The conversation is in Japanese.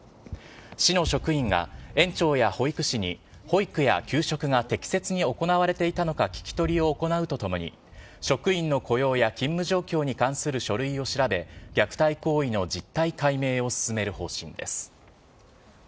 市の職員が園長や保育士に保育や給食が適切に行われていたのか聞き取りを行うとともに、職員の雇用や勤務状況に関する書類を調べ、虐待行為の実態解明を進める方針です。